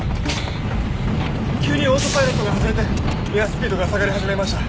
急にオートパイロットが外れてエアスピードが下がり始めました。